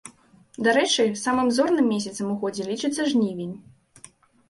Дарэчы, самым зорным месяцам у годзе лічыцца жнівень.